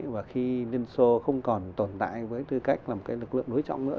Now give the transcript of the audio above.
và khi liên xô không còn tồn tại với tư cách là một cái lực lượng đối trọng nữa